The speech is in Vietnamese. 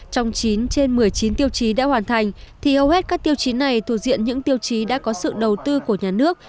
trong chín trên một mươi chín tiêu chí đã hoàn thành thì hầu hết các tiêu chí này thuộc diện những tiêu chí đã có sự đầu tư của nhà nước